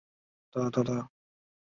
萼凹入很深。